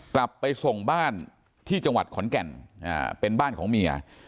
กลับไปส่งบ้านที่จังหวัดขอนแก่นเป็นบ้านของเมีย